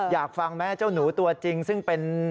อยากฟังไหมเจ้าหนูตัวจริงซึ่งเป็น